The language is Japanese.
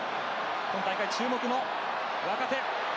今大会注目の若手。